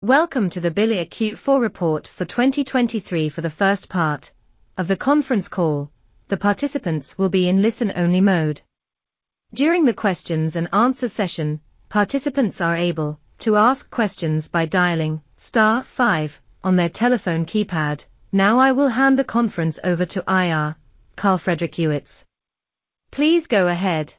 Welcome to the Bilia Q4 report for 2023 for the first part of the conference call. The participants will be in listen-only mode. During the questions and answer session, participants are able to ask questions by dialing star five on their telephone keypad. Now, I will hand the conference over to IR, Carl Fredrik Ewetz. Please go ahead.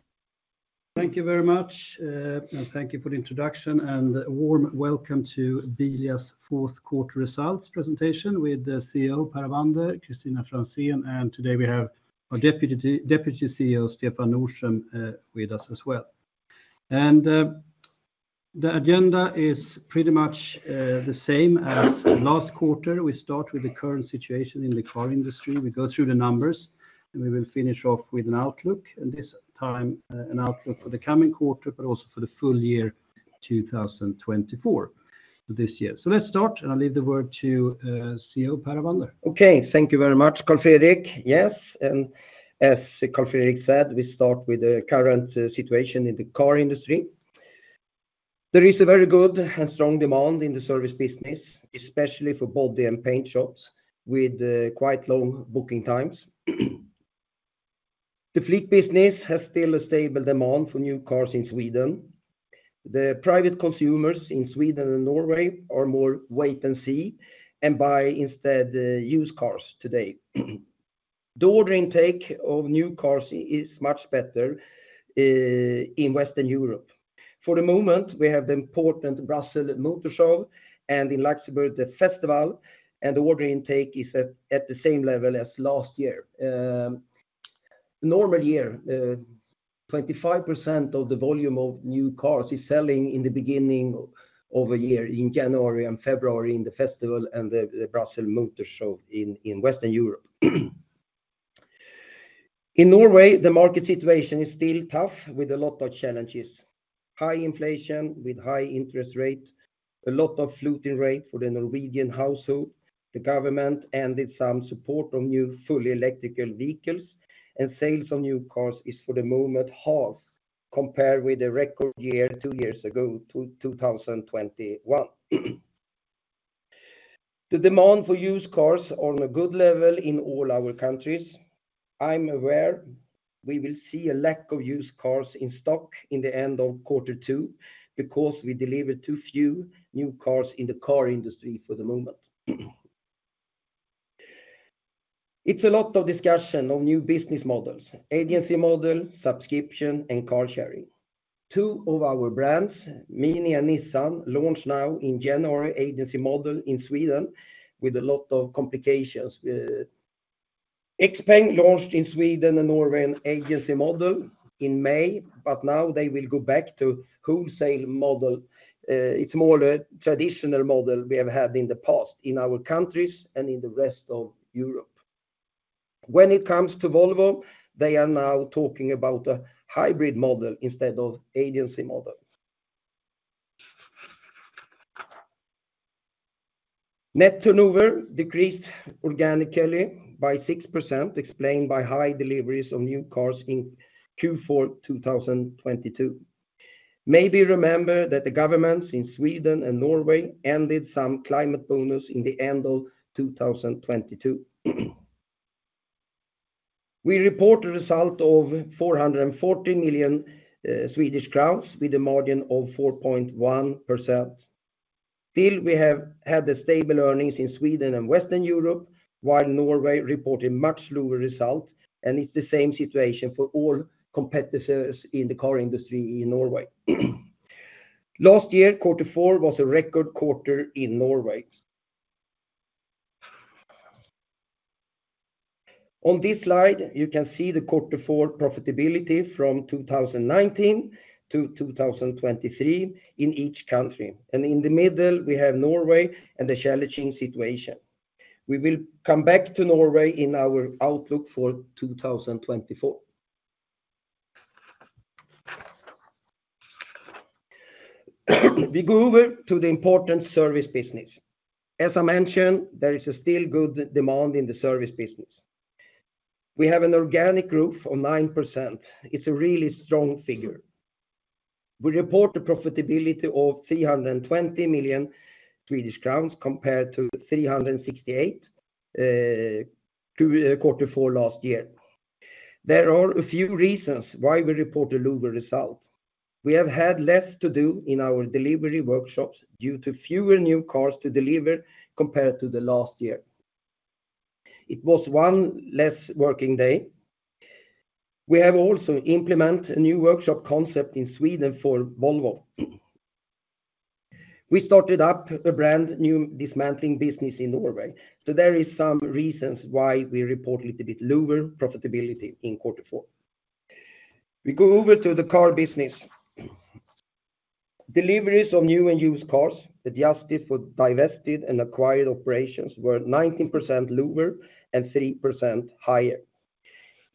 Thank you very much, and thank you for the introduction, and a warm welcome to Bilia's fourth quarter results presentation with the CEO, Per Avander, Kristina Franzén, and today we have our deputy, Deputy CEO, Stefan Nordström, with us as well. The agenda is pretty much the same as last quarter. We start with the current situation in the car industry. We go through the numbers, and we will finish off with an outlook, and this time, an outlook for the coming quarter, but also for the full year, 2024, this year. So let's start, and I'll leave the word to CEO, Per Avander. Okay, thank you very much, Carl Fredrik. Yes, and as Carl Fredrik said, we start with the current situation in the car industry. There is a very good and strong demand in the service business, especially for body and paint shops, with quite long booking times. The fleet business has still a stable demand for new cars in Sweden. The private consumers in Sweden and Norway are more wait-and-see, and buy instead used cars today. The order intake of new cars is much better in Western Europe. For the moment, we have the important Brussels Motor Show and in Luxembourg, the Festival, and the order intake is at the same level as last year. Normal year, 25% of the volume of new cars is selling in the beginning of a year, in January and February, in the Festival and the Brussels Motor Show in Western Europe. In Norway, the market situation is still tough, with a lot of challenges: high inflation with high interest rates, a lot of floating rate for the Norwegian household. The government ended some support on new fully electrical vehicles, and sales on new cars is, for the moment, half, compared with the record year, two years ago, 2021. The demand for used cars are on a good level in all our countries. I'm aware we will see a lack of used cars in stock in the end of quarter two because we delivered too few new cars in the car industry for the moment. It's a lot of discussion on new business models, agency model, subscription, and car sharing. Two of our brands, MINI and Nissan, launched now in January, agency model in Sweden with a lot of complications. XPENG launched in Sweden and Norway an agency model in May, but now they will go back to wholesale model. It's more a traditional model we have had in the past in our countries and in the rest of Europe. When it comes to Volvo, they are now talking about a hybrid model instead of agency models. Net turnover decreased organically by 6%, explained by high deliveries on new cars in Q4 2022. Maybe remember that the governments in Sweden and Norway ended some climate bonus in the end of 2022. We report a result of 440 million, uh, Swedish crowns, with a margin of 4.1%. Still, we have had the stable earnings in Sweden and Western Europe, while Norway reported much lower results, and it's the same situation for all competitors in the car industry in Norway. Last year, quarter four was a record quarter in Norway. On this slide, you can see the quarter four profitability from 2019 to 2023 in each country, and in the middle, we have Norway and the challenging situation. We will come back to Norway in our outlook for 2024. We go over to the important service business. As I mentioned, there is a still good demand in the service business. We have an organic growth of 9%. It's a really strong figure. We report a profitability of 320 million Swedish crowns compared to 368 million, quarter four last year. There are a few reasons why we report a lower result. We have had less to do in our delivery workshops due to fewer new cars to deliver compared to the last year. It was one less working day. We have also implemented a new workshop concept in Sweden for Volvo. We started up a brand new dismantling business in Norway, so there is some reasons why we report little bit lower profitability in quarter four. We go over to the car business. Deliveries of new and used cars, adjusted for divested and acquired operations, were 19% lower and 3% higher.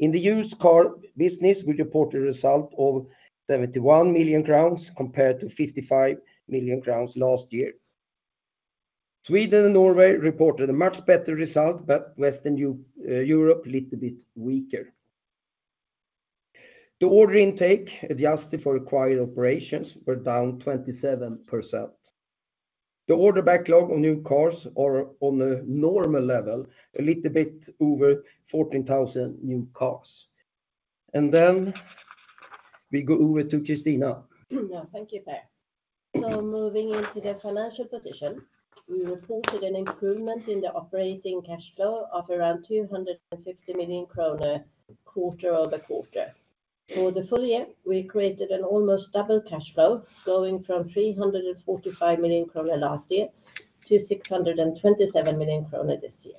In the used car business, we report a result of 71 million crowns, compared to 55 million crowns last year. Sweden and Norway reported a much better result, but Western Europe, a little bit weaker. The order intake adjusted for acquired operations were down 27%. The order backlog on new cars are on a normal level, a little bit over 14,000 new cars. And then we go over to Kristina. Yeah, thank you, Per. So moving into the financial position, we reported an improvement in the operating cash flow of around 250 million kronor quarter over quarter. For the full year, we created an almost double cash flow, going from 345 million kronor last year to 627 million kronor this year.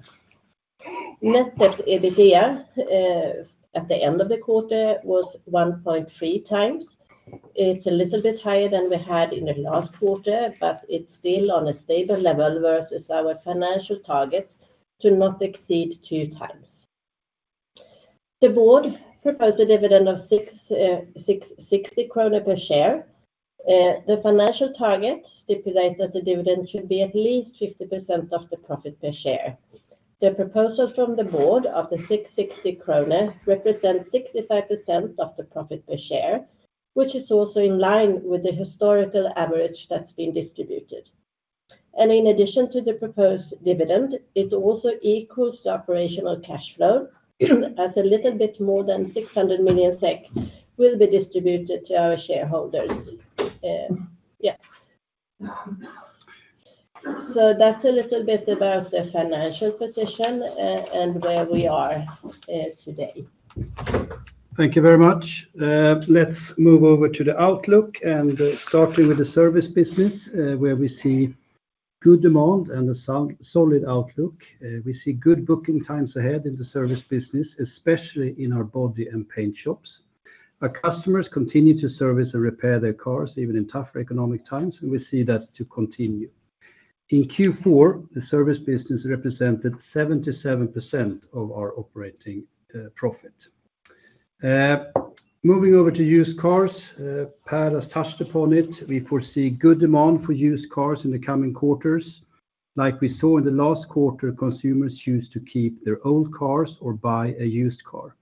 Net debt/EBITDA at the end of the quarter was 1.3 times. It's a little bit higher than we had in the last quarter, but it's still on a stable level versus our financial targets to not exceed 2 times. The board proposed a dividend of 6.60 kronor per share. The financial target stipulates that the dividend should be at least 50% of the profit per share. The proposal from the board of the 6.60 krona represents 65% of the profit per share, which is also in line with the historical average that's been distributed. In addition to the proposed dividend, it also equals the operational cash flow, as a little bit more than 600 million SEK will be distributed to our shareholders. Yeah. That's a little bit about the financial position, and where we are, today. Thank you very much. Let's move over to the outlook and, starting with the service business, where we see good demand and a sound, solid outlook. We see good booking times ahead in the service business, especially in our body and paint shops. Our customers continue to service and repair their cars even in tougher economic times, and we see that to continue. In Q4, the service business represented 77% of our operating profit. Moving over to used cars, Per has touched upon it. We foresee good demand for used cars in the coming quarters. Like we saw in the last quarter, consumers choose to keep their old cars or buy a used car.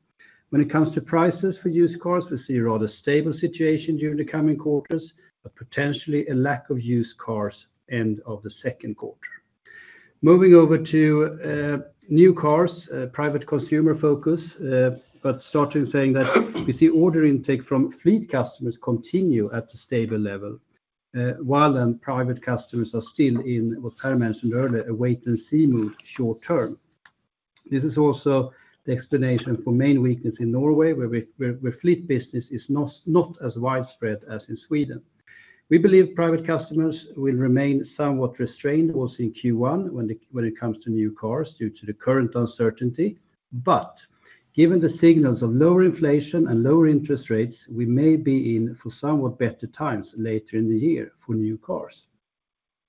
When it comes to prices for used cars, we see a rather stable situation during the coming quarters, but potentially a lack of used cars end of the second quarter. Moving over to new cars, private consumer focus, but starting saying that we see order intake from fleet customers continue at a stable level, while then private customers are still in, what Per mentioned earlier, a wait-and-see mood short term. This is also the explanation for main weakness in Norway, where fleet business is not as widespread as in Sweden. We believe private customers will remain somewhat restrained also in Q1, when it comes to new cars due to the current uncertainty. But given the signals of lower inflation and lower interest rates, we may be in for somewhat better times later in the year for new cars.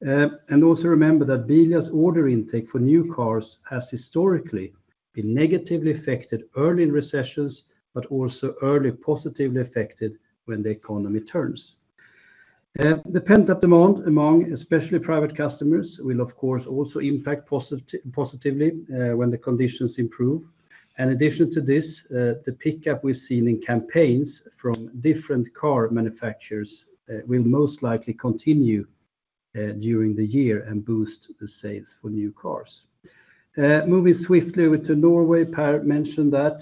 And also remember that Bilia's order intake for new cars has historically been negatively affected early in recessions, but also early positively affected when the economy turns. The pent-up demand among, especially private customers, will of course, also impact positively, when the conditions improve. In addition to this, the pickup we've seen in campaigns from different car manufacturers, will most likely continue, during the year and boost the sales for new cars. Moving swiftly to Norway, Per mentioned that,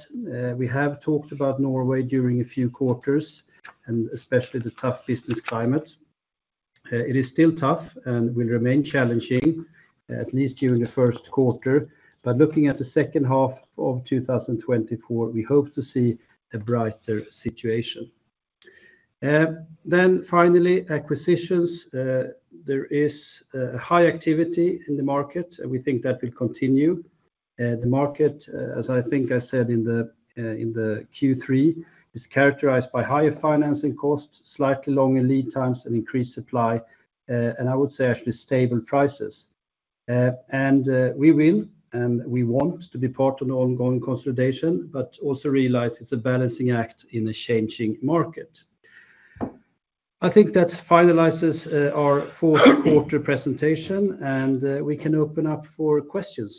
we have talked about Norway during a few quarters, and especially the tough business climate. It is still tough and will remain challenging, at least during the first quarter. But looking at the second half of 2024, we hope to see a brighter situation. Then finally, acquisitions. There is high activity in the market, and we think that will continue. The market, as I think I said in the Q3, is characterized by higher financing costs, slightly longer lead times, and increased supply, and I would say actually stable prices. And we will, and we want to be part of the ongoing consolidation, but also realize it's a balancing act in a changing market. I think that finalizes our fourth quarter presentation, and we can open up for questions.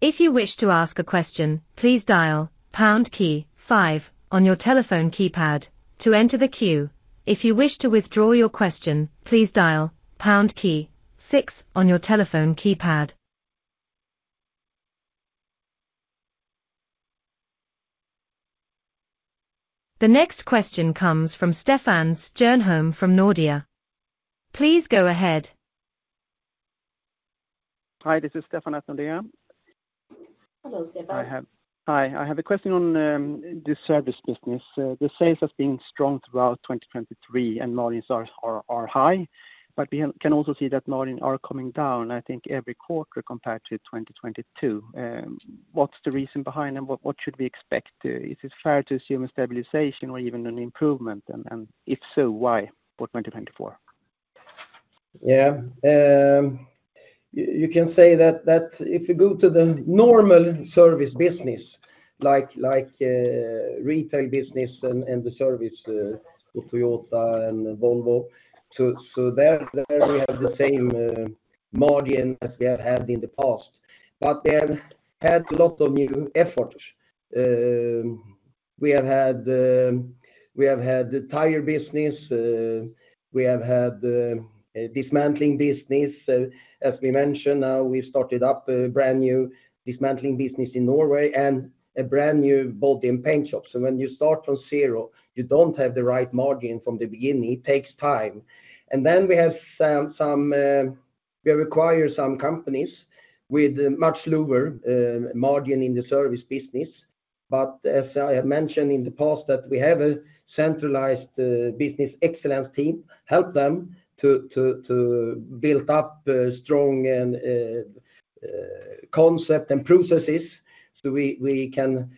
If you wish to ask a question, please dial pound key five on your telephone keypad to enter the queue. If you wish to withdraw your question, please dial pound key six on your telephone keypad. The next question comes from Stefan Stjernholm from Nordea. Please go ahead. Hi, this is Stefan at Nordea. Hello, Stefan. Hi, I have a question on the service business. The sales have been strong throughout 2023, and margins are high, but we can also see that margins are coming down, I think, every quarter compared to 2022. What's the reason behind them? What should we expect? Is it fair to assume a stabilization or even an improvement? And if so, why for 2024? Yeah, you can say that if you go to the normal service business, like retail business and the service with Toyota and Volvo, so there we have the same.... margin as we have had in the past, but we have had a lot of new efforts. We have had the tire business, we have had a dismantling business. As we mentioned, now we started up a brand new dismantling business in Norway and a brand new body and paint shop. So when you start from zero, you don't have the right margin from the beginning, it takes time. And then we have some, we acquire some companies with much lower margin in the service business. But as I have mentioned in the past, that we have a centralized business excellence team, help them to build up strong concept and processes, so we can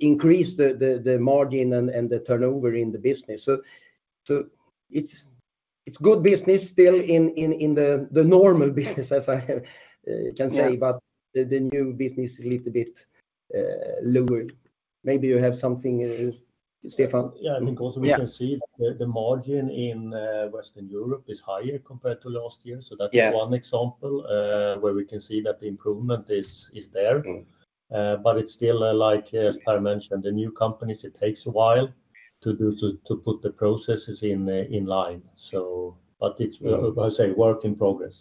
increase the margin and the turnover in the business. So it's good business still in the normal business, as I can say- Yeah. -but the new business is a little bit lower. Maybe you have something, Stefan? Yeah, I mean- Yeah... also we can see the margin in Western Europe is higher compared to last year. Yeah. So that's one example, where we can see that the improvement is there. Mm. But it's still like, as I mentioned, the new companies, it takes a while to put the processes in line. So but it's- Yeah... as I say, work in progress.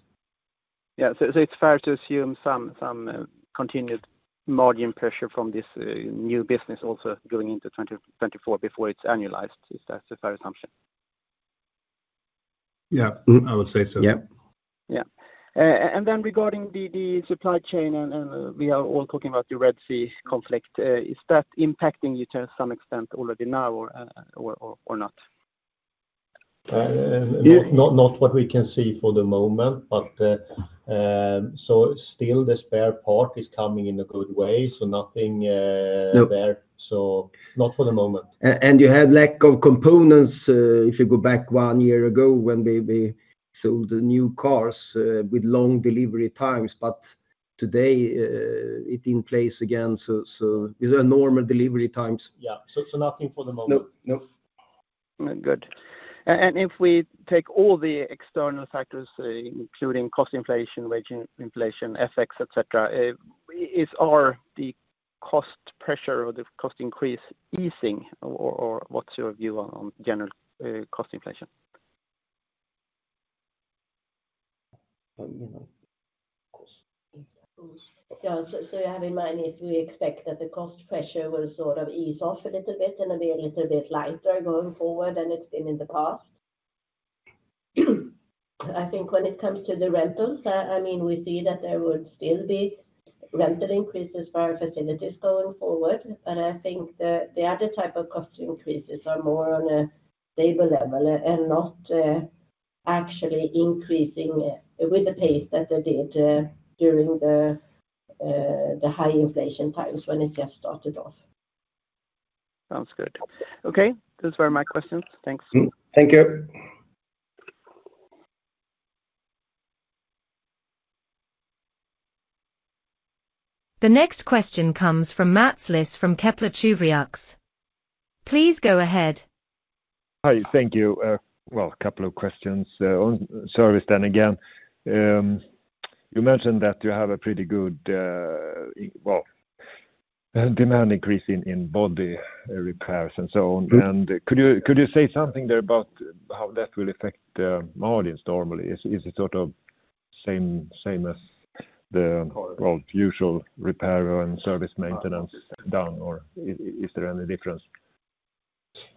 Yeah. So it's fair to assume some continued margin pressure from this new business also going into 2024 before it's annualized? Is that a fair assumption? Yeah, mm-hmm, I would say so. Yeah. Yeah. And then regarding the supply chain, and we are all talking about the Red Sea conflict, is that impacting you to some extent already now or not? Not, not what we can see for the moment, but, so still the spare part is coming in a good way, so nothing, No... there. So not for the moment. You had lack of components, if you go back one year ago when they sold the new cars with long delivery times, but today it in place again, so these are normal delivery times. Yeah. So, nothing for the moment. No. No. Good. And, and if we take all the external factors, including cost inflation, wage inflation, FX, et cetera, is, are the cost pressure or the cost increase easing, or, or what's your view on, on general, cost inflation? You know, cost. Yeah. So, having in mind, if we expect that the cost pressure will sort of ease off a little bit and be a little bit lighter going forward than it's been in the past. I think when it comes to the rentals, I mean, we see that there would still be rental increases for our facilities going forward, but I think the other type of cost increases are more on a labor level and not actually increasing with the pace that they did during the high inflation times when it just started off. Sounds good. Okay. Those were my questions. Thanks. Thank you. The next question comes from Mats Liss from Kepler Cheuvreux. Please go ahead. Hi, thank you. Well, a couple of questions on service then again. You mentioned that you have a pretty good, well, demand increase in body repairs and so on. Mm. Could you say something there about how that will affect the margins normally? Is it sort of the same as the, well, usual repair and service maintenance down, or is there any difference?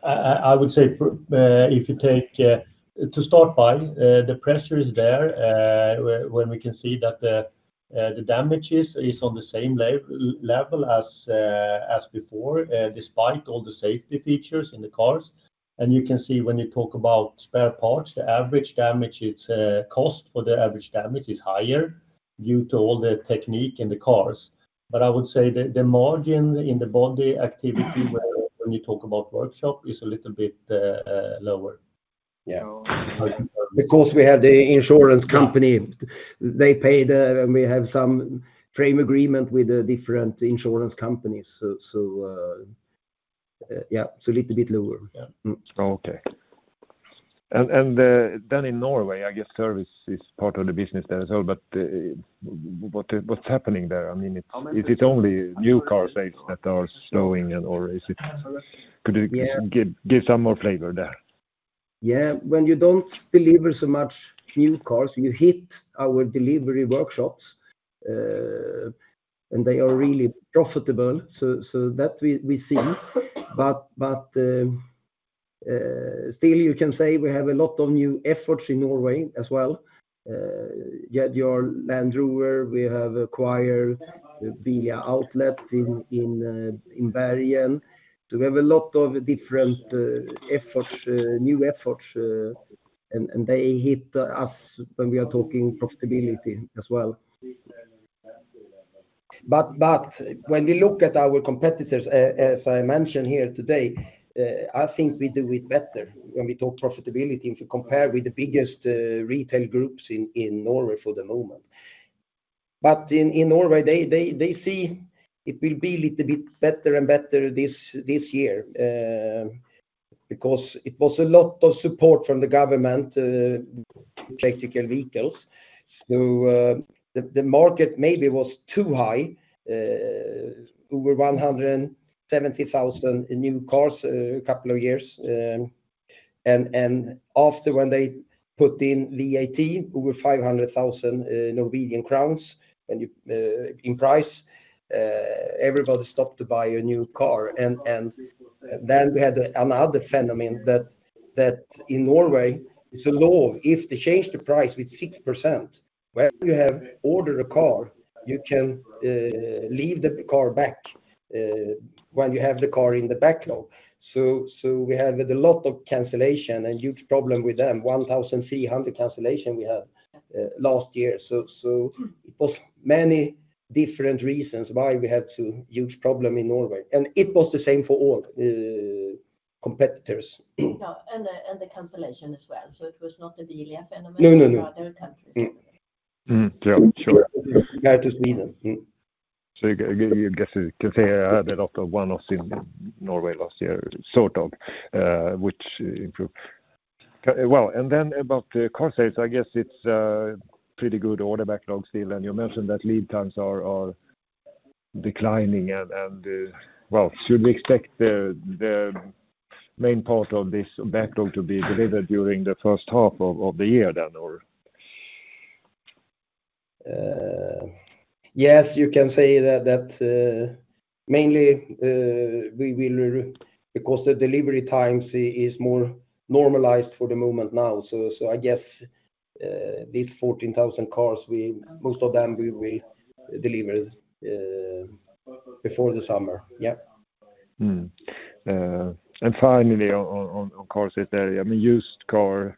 I would say, to start by, the pressure is there when we can see that the damages is on the same level as before, despite all the safety features in the cars. And you can see when you talk about spare parts, the average damage cost is higher due to all the technology in the cars. But I would say the margin in the body activity, when you talk about workshop, is a little bit lower. Yeah. So- Because we have the insurance company, they paid, and we have some frame agreement with the different insurance companies. So, so, yeah, so a little bit lower. Yeah. Okay. And then in Norway, I guess service is part of the business there as well, but what’s happening there? I mean, is it only new car sales that are slowing and/or is it... Could you give some more flavor there? Yeah. When you don't deliver so much new cars, you hit our delivery workshops, and they are really profitable. So, so that we, we see. But, but, still, you can say we have a lot of new efforts in Norway as well. Yet your Land Rover, we have acquired the outlet in, in, in Bergen. So we have a lot of different, efforts, new efforts, and, and they hit us when we are talking profitability as well. But, but when we look at our competitors, as I mentioned here today, I think we do it better when we talk profitability, if you compare with the biggest, retail groups in, in Norway for the moment.... But in Norway, they see it will be a little bit better and better this year, because it was a lot of support from the government, electric vehicles. So, the market maybe was too high, over 170,000 new cars, couple of years. And after, when they put in VAT, over 500,000 Norwegian crowns, when you in price, everybody stopped to buy a new car. And then we had another phenomenon that in Norway, it's a law, if they change the price with 6%, when you have ordered a car, you can leave the car back, when you have the car in the backlog. So we had a lot of cancellation and huge problem with them. 1,300 cancellations we had last year. So it was many different reasons why we had a huge problem in Norway, and it was the same for all competitors. Yeah, and the cancellation as well. So it was not the dealer phenomenon- No, no, no. in other countries. Mm-hmm. Yeah, sure. Yeah, just mean them. So you guess you can say that after Q1 in Norway last year, sort of, which improved. Well, and then about the car sales, I guess it's pretty good order backlog still, and you mentioned that lead times are declining. Well, should we expect the main part of this backlog to be delivered during the first half of the year then, or? Yes, you can say that, mainly we will, because the delivery times is more normalized for the moment now. So I guess these 14,000 cars, most of them we will deliver before the summer. Yep. And finally, on car sales area, I mean, used cars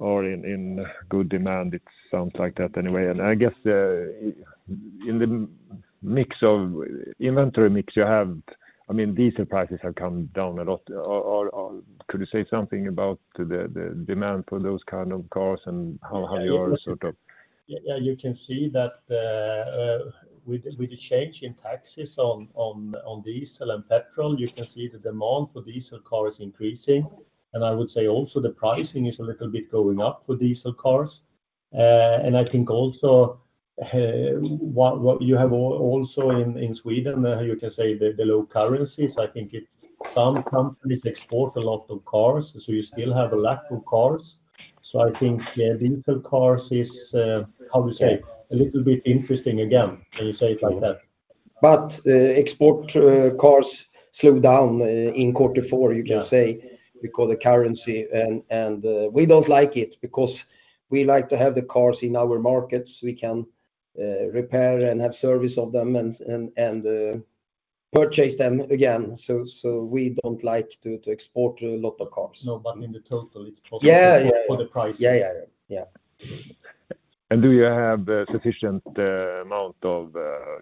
are in good demand. It sounds like that anyway. And I guess, in the mix of inventory mix you have, I mean, diesel prices have come down a lot. Or could you say something about the demand for those kind of cars and how you are sort of? Yeah, you can see that, with the change in taxes on diesel and petrol, you can see the demand for diesel car is increasing. And I would say also the pricing is a little bit going up for diesel cars. And I think also, what you have also in Sweden, you can say the low currencies, I think some companies export a lot of cars, so you still have a lack of cars. So I think, yeah, diesel cars is how to say, a little bit interesting again, can you say it like that? But export cars slowed down in quarter four, you can say, because the currency. And we don't like it because we like to have the cars in our markets. We can repair and have service of them and purchase them again. So we don't like to export a lot of cars. No, but in the total, it's possible- Yeah, yeah... for the price. Yeah, yeah. Yeah. Do you have sufficient amount of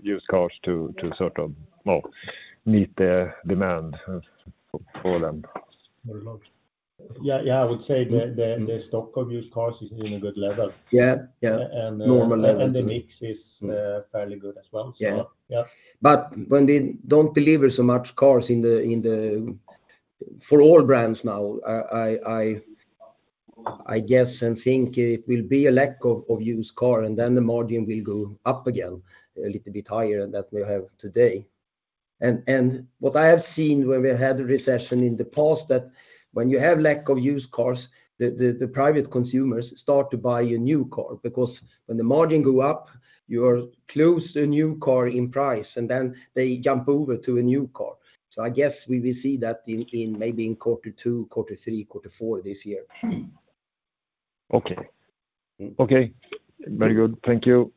used cars to to sort of well meet the demand for for them? Very much. Yeah, yeah, I would say the stock of used cars is in a good level. Yeah, yeah. And, uh- Normal level... and the mix is, fairly good as well. Yeah. Yeah. But when they don't deliver so much cars in the—for all brands now, I guess and think it will be a lack of used car, and then the margin will go up again, a little bit higher than we have today. And what I have seen when we had a recession in the past, that when you have lack of used cars, the private consumers start to buy a new car, because when the margin go up, you are close to a new car in price, and then they jump over to a new car. So I guess we will see that in maybe quarter two, quarter three, quarter four this year. Okay. Okay, very good. Thank you.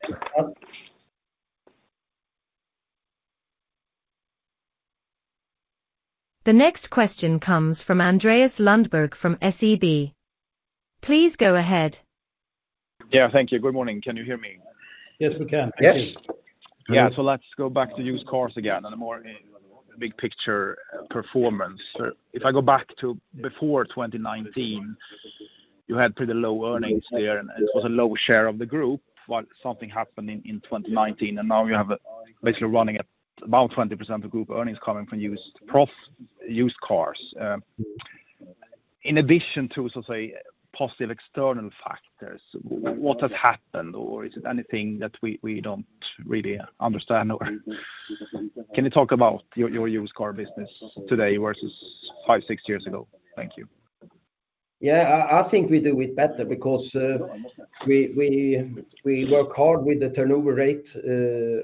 The next question comes from Andreas Lundberg, from SEB. Please go ahead. Yeah, thank you. Good morning. Can you hear me? Yes, we can. Yes. Yeah. So let's go back to used cars again, on a more big picture performance. If I go back to before 2019, you had pretty low earnings there, and it was a low share of the group. While something happened in 2019, and now you have basically running at about 20% of group earnings coming from used cars. In addition to, so say, positive external factors, what has happened? Or is it anything that we don't really understand? Or can you talk about your used car business today versus 5, 6 years ago? Thank you. Yeah, I think we do it better because we work hard with the turnover rate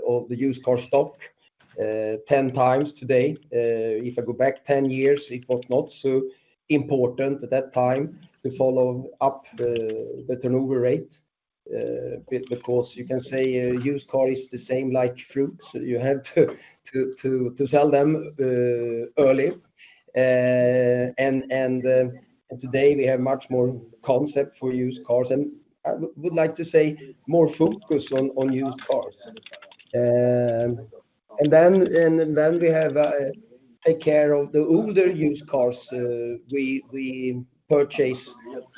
of the used car stock 10 times today. If I go back 10 years, it was not so important at that time to follow up the turnover rate because you can say a used car is the same like fruits. You have to sell them early. Today, we have much more concept for used cars, and I would like to say, more focus on used cars. We have take care of the older used cars we purchase.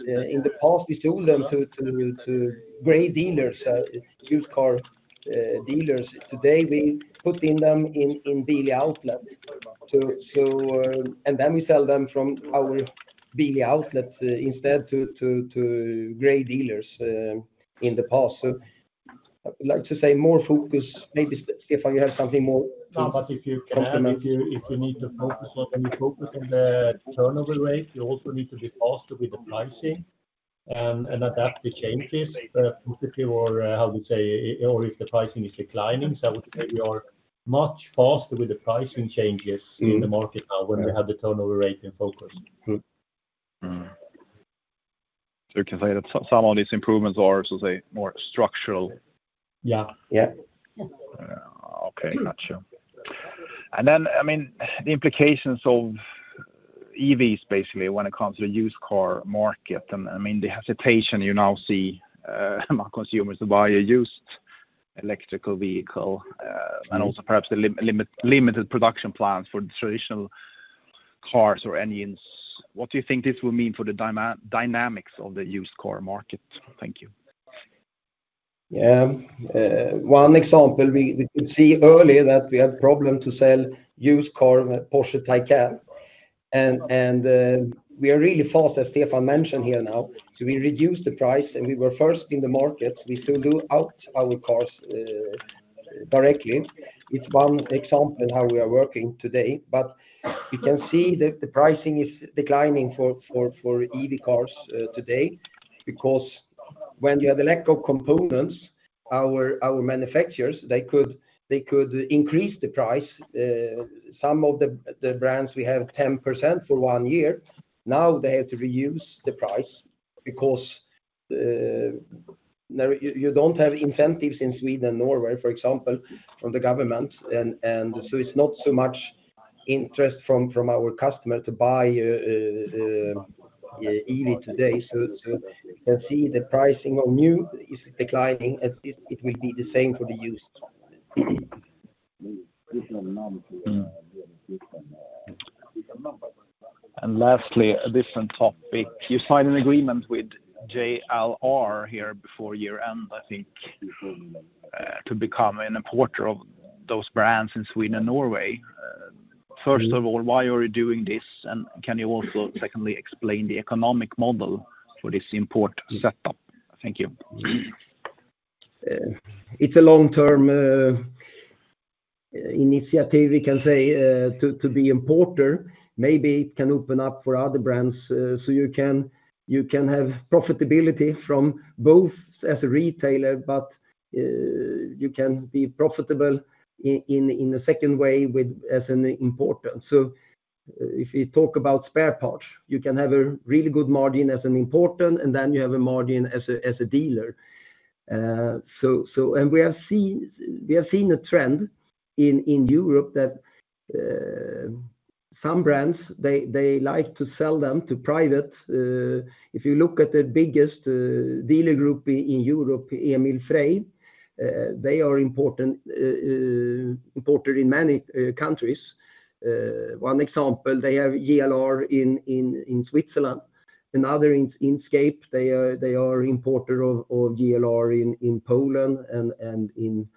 In the past, we sold them to gray dealers, used car dealers. Today, we putting them in Bilia Outlet. And then we sell them from our Bilia Outlet instead to gray dealers in the past. So I would like to say more focus. Maybe Stefan, you have something more- No, but if you need to focus on, you focus on the turnover rate, you also need to be faster with the pricing, and adapt to changes, positively or, how we say, or if the pricing is declining. So I would say we are much faster with the pricing changes in the market now when we have the turnover rate in focus. Mm-hmm. So you can say that some of these improvements are more structural? Yeah. Yeah. Okay, got you. And then, I mean, the implications of EVs, basically, when it comes to the used car market, and, I mean, the hesitation you now see among consumers to buy a used electric vehicle, and also perhaps the limited production plans for the traditional cars or engines. What do you think this will mean for the dynamics of the used car market? Thank you. One example, we could see earlier that we had problem to sell used car, Porsche Taycan. We are really fast, as Stefan mentioned here now. So we reduced the price, and we were first in the market. We sold out our cars directly. It's one example how we are working today, but you can see that the pricing is declining for EV cars today. Because when we have electrical components, our manufacturers, they could increase the price. Some of the brands we have 10% for one year. Now they have to reduce the price because now you don't have incentives in Sweden and Norway, for example, from the government. So it's not so much interest from our customer to buy EV today. So, you can see the pricing on new is declining, and it will be the same for the used. Lastly, a different topic. You signed an agreement with JLR here before year-end, I think, to become an importer of those brands in Sweden and Norway. First of all, why are you doing this? And can you also, secondly, explain the economic model for this import setup? Thank you. It's a long-term initiative, we can say, to be importer. Maybe it can open up for other brands. So you can, you can have profitability from both as a retailer, but you can be profitable in a second way with as an importer. So if you talk about spare parts, you can have a really good margin as an importer, and then you have a margin as a dealer. So and we have seen, we have seen a trend in Europe that some brands, they, they like to sell them to private. If you look at the biggest dealer group in Europe, Emil Frey, they are an importer in many countries. One example, they have JLR in Switzerland. Another Inchcape, they are importer of JLR in Poland and in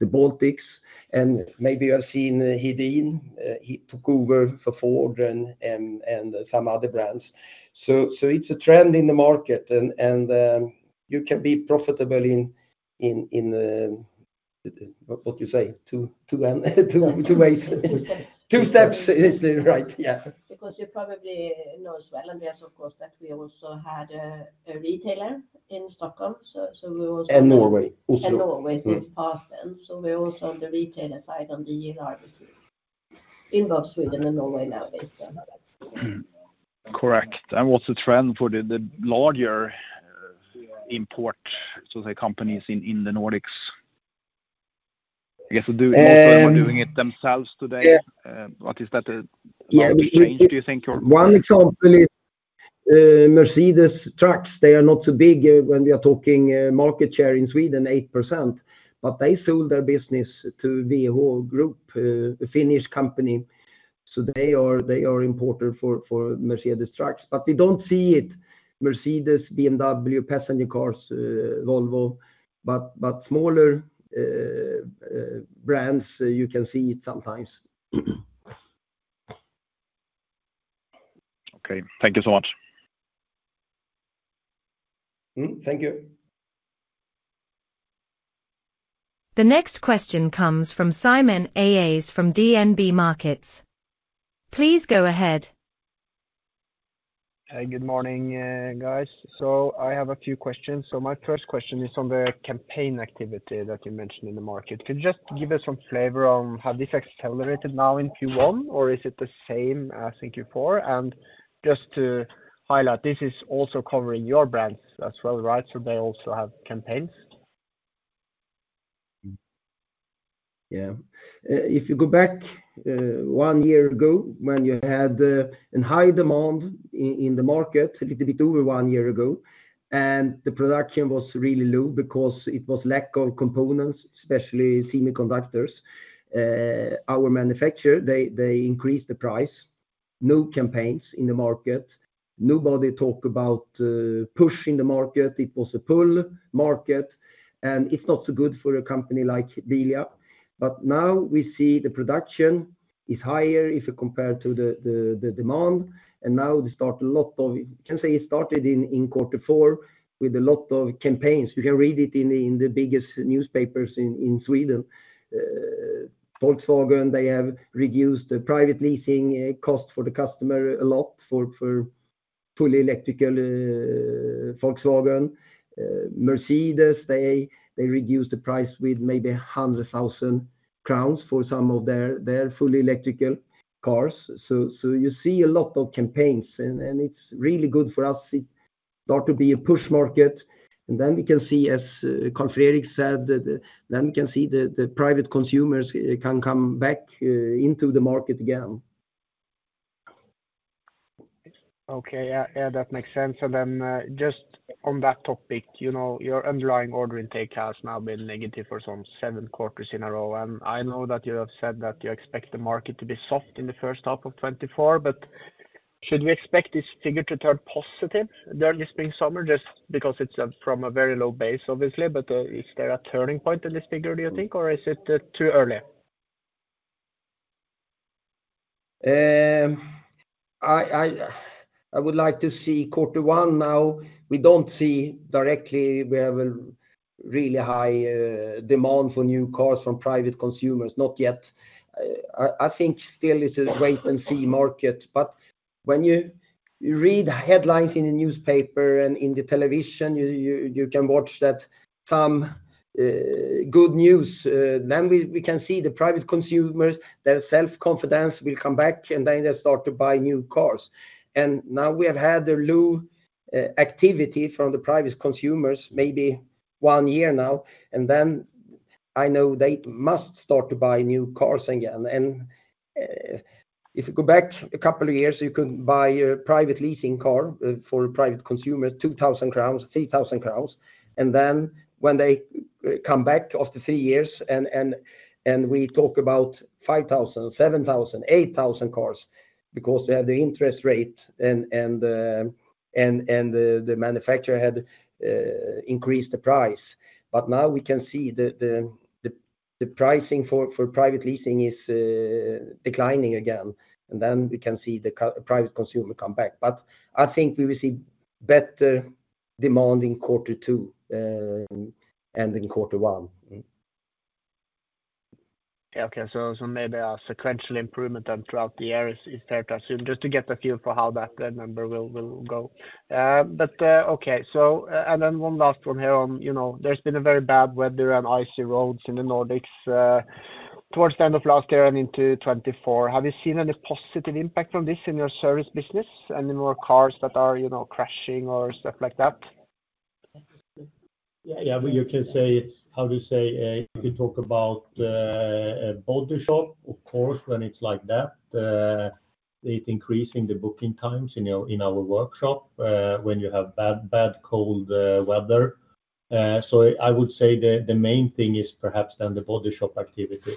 the Baltics. And maybe you have seen Hedin, he took over for Ford and some other brands. So it's a trend in the market, and you can be profitable in what you say? Two ways. Two steps. Two steps is right, yeah. Because you probably know as well, Andreas, of course, that we also had a retailer in Stockholm, so we also- Norway also. And Norway with Insignia. So we're also on the retailer side on the JLR, in both Sweden and Norway nowadays. Mm. Correct. And what's the trend for the, the larger, import, so say, companies in, in the Nordics? I guess, do- Um- More are doing it themselves today. Yeah. Is that a large change, do you think, or? One example is Mercedes Trucks. They are not so big when we are talking market share in Sweden, 8%, but they sold their business to Veho Group, a Finnish company. So they are importer for Mercedes Trucks, but we don't see it, Mercedes, BMW, passenger cars, Volvo, but smaller brands, you can see it sometimes. Okay. Thank you so much. Mm, thank you. The next question comes from Simen Aas from DNB Markets. Please go ahead. Hey, good morning, guys. So I have a few questions. So my first question is on the campaign activity that you mentioned in the market. Could you just give us some flavor on how this accelerated now in Q1, or is it the same as in Q4? And just to highlight, this is also covering your brands as well, right? So they also have campaigns. Yeah. If you go back one year ago, when you had a high demand in the market, a little bit over one year ago, and the production was really low because it was lack of components, especially semiconductors. Our manufacturer, they increased the price. No campaigns in the market. Nobody talk about pushing the market. It was a pull market, and it's not so good for a company like Bilia. But now we see the production is higher if you compare to the demand, and now they start a lot of- I can say it started in quarter four with a lot of campaigns. You can read it in the biggest newspapers in Sweden. Volkswagen, they have reduced the private leasing cost for the customer a lot for fully electrical Volkswagen. Mercedes, they reduced the price with maybe 100,000 crowns for some of their fully electrical cars. So you see a lot of campaigns, and it's really good for us. It start to be a push market, and then we can see, as Carl Fredrik said, that then we can see the private consumers can come back into the market again. Okay. Yeah, yeah, that makes sense. Then, just on that topic, you know, your underlying order intake has now been negative for some 7 quarters in a row, and I know that you have said that you expect the market to be soft in the first half of 2024, but should we expect this figure to turn positive during the spring, summer, just because it's from a very low base, obviously, but is there a turning point in this figure, do you think, or is it too early? I would like to see quarter one now. We don't see directly where we have a really high demand for new cars from private consumers, not yet. I think still it's a wait-and-see market, but when you can watch that some good news, then we can see the private consumers, their self-confidence will come back, and then they start to buy new cars. Now we have had a low activity from the private consumers, maybe one year now, and then I know they must start to buy new cars again. If you go back a couple of years, you could buy a private leasing car for private consumers, 2,000 crowns, 3,000 crowns. And then when they come back after three years and we talk about 5,000, 7,000, 8,000 cars because they have the interest rate and the manufacturer had increased the price. But now we can see the pricing for private leasing is declining again, and then we can see the private consumer come back. But I think we will see better demand in quarter two and in quarter one. Yeah. Okay. So maybe a sequential improvement throughout the year is fair to assume, just to get a feel for how that number will go. But okay. So and then one last one here on, you know, there's been very bad weather and icy roads in the Nordics towards the end of last year and into 2024. Have you seen any positive impact on this in your service business, any more cars that are, you know, crashing or stuff like that? Yeah, yeah. But you can say it's... How do you say, if you talk about a body shop, of course, when it's like that, it's increasing the booking times in our workshop, when you have bad, bad, cold weather. So I would say the main thing is perhaps then the body shop activity.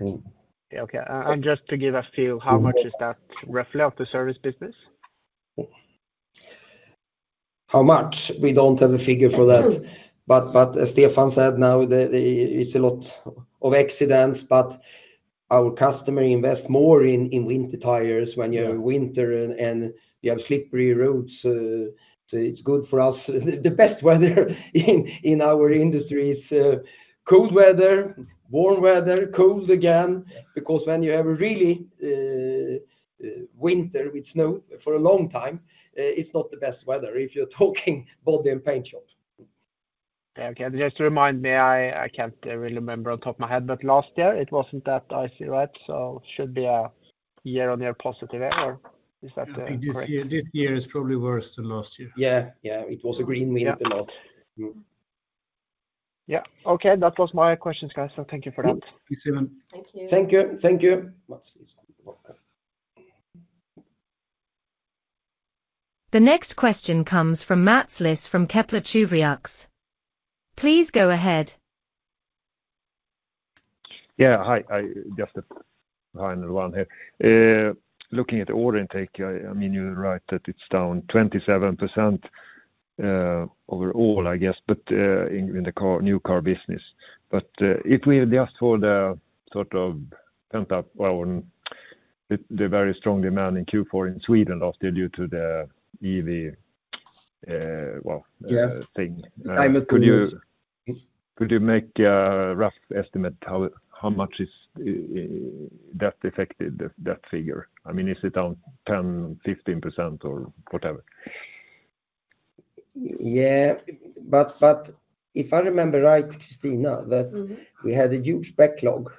Yeah, okay. Just to give a feel, how much is that roughly of the service business? How much? We don't have a figure for that, but as Stefan said, now it's a lot of accidents, but our customer invest more in winter tires when you have winter and you have slippery roads, so it's good for us. The best weather in our industry is cold weather, warm weather, cold again, because when you have a really winter with snow for a long time, it's not the best weather if you're talking body and paint shops. Okay. Just to remind me, I can't really remember on top of my head, but last year it wasn't that icy, right? So should be a year-on-year positive there, or is that correct? This year, this year is probably worse than last year. Yeah. Yeah, it was a green winter a lot. Mm-hmm. Yeah. Okay, that was my questions, guys. So thank you for that. Thanks, Stefan. Thank you. Thank you. Thank you. The next question comes from Mats Liss from Kepler Cheuvreux. Please go ahead. Yeah, hi, I just behind the one here. Looking at the order intake, I mean, you're right that it's down 27%, overall, I guess, but in the car, new car business. But if we just for the sort of temp up on the very strong demand in Q4 in Sweden, often due to the EV, well- Yeah -thing. Time is good. Could you make a rough estimate how much is that affected that figure? I mean, is it down 10, 15% or whatever? Yeah. But if I remember right, Kristina, that- Mm-hmm. We had a huge backlog.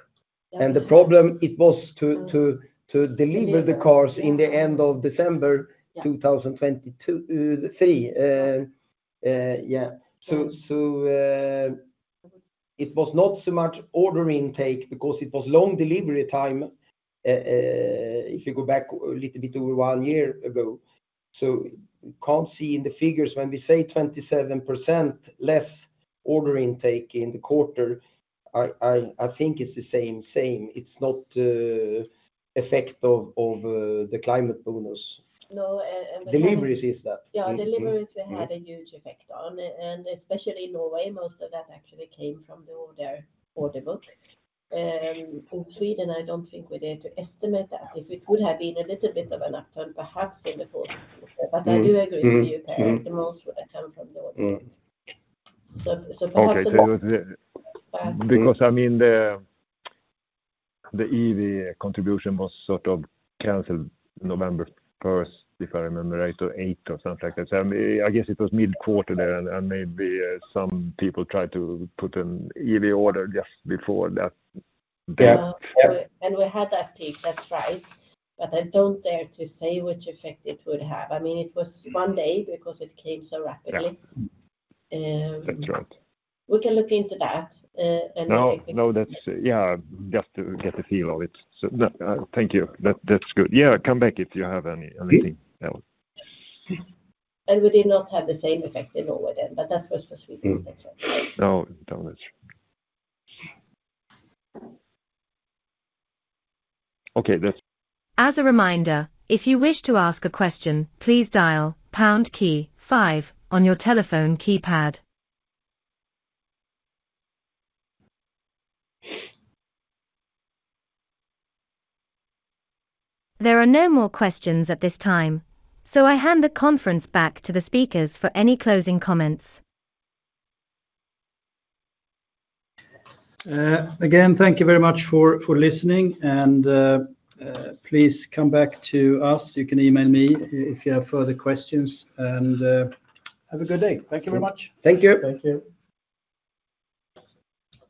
Yeah. The problem, it was to deliver the cars in the end of December- Yeah... 2022, 2023. Yeah. So, it was not so much order intake because it was long delivery time, if you go back a little bit to one year ago.... So you can't see in the figures, when we say 27% less order intake in the quarter, I think it's the same, same. It's not the effect of the climate bonus. No. Deliveries is that. Yeah, deliveries we had a huge effect on, and especially in Norway, most of that actually came from the order book. In Sweden, I don't think we dare to estimate that. If it would have been a little bit of an upturn, perhaps in the fourth quarter. But I do agree with you, Per, the most would come from Norway. Mm. So, perhaps- Okay, so because, I mean, the EV contribution was sort of canceled November first, if I remember right, or eighth, or something like that. So I mean, I guess it was mid-quarter there, and maybe some people tried to put an EV order just before that date. Yeah. And we had that peak, that's right, but I don't dare to say which effect it would have. I mean, it was one day because it came so rapidly. Yeah. Um- That's right. We can look into that. No, no, that's... Yeah, just to get a feel of it. So no, thank you. That, that's good. Yeah, come back if you have any, anything else. We did not have the same effect in Norway then, but that was the sweet effect. No, no, that's true. Okay, that's- As a reminder, if you wish to ask a question, please dial pound key five on your telephone keypad. There are no more questions at this time, so I hand the conference back to the speakers for any closing comments. Again, thank you very much for listening, and please come back to us. You can email me if you have further questions, and have a good day. Thank you very much. Thank you. Thank you.